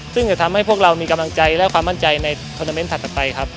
ซึ่งจะทำให้พวกเรามีกำลังใจและความมั่นใจในโทรนาเมนต์ถัดไปครับ